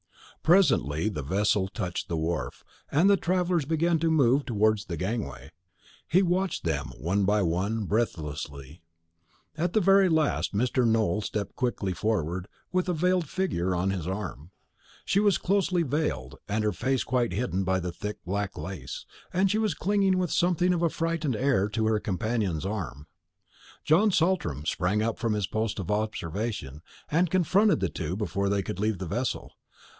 Presently the vessel touched the wharf, and the travellers began to move towards the gangway. He watched them, one by one, breathlessly. At the very last, Mr. Nowell stepped quickly forward, with a veiled figure on his arm. She was closely veiled, her face quite hidden by thick black lace, and she was clinging with something of a frightened air to her companion's arm. John Saltram sprang up from his post of observation, and confronted the two before they could leave the vessel.